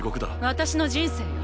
私の人生よ